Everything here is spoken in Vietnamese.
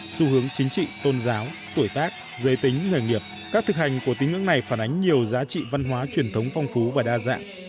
xu hướng chính trị tôn giáo tuổi tác giới tính nghề nghiệp các thực hành của tín ngưỡng này phản ánh nhiều giá trị văn hóa truyền thống phong phú và đa dạng